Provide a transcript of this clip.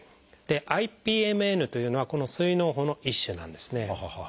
ＩＰＭＮというのはこの膵のう胞の一種なんですね。